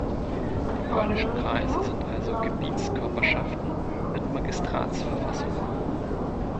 Die polnischen Kreise sind also Gebietskörperschaften mit Magistratsverfassung.